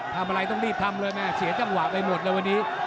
ทำอะไรต้องรีบทำเลยแม่เสียจังหวะไปหมดเลยวันนี้